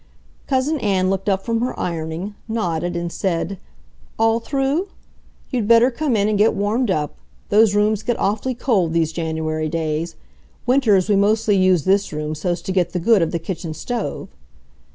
Cousin Ann looked up from her ironing, nodded, and said: "All through? You'd better come in and get warmed up. Those rooms get awfully cold these January days. Winters we mostly use this room so's to get the good of the kitchen stove."